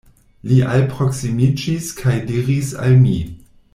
Li alproksimiĝis kaj diris al mi.